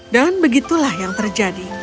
dan begitulah yang terjadi